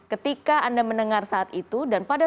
ketika anda mendengar saat itu dan pada